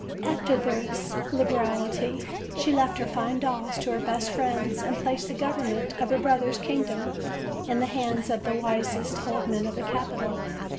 After this liberality, she left her fine dolls to her best friends, and placed the government of her brother's kingdom in the hands of the wisest old men of the capital.